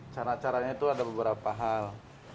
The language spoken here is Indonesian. cara caranya itu ada beberapa hal